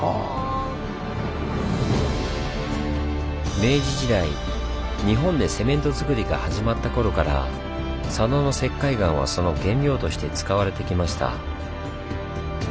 明治時代日本でセメントづくりが始まった頃から佐野の石灰岩はその原料として使われてきました。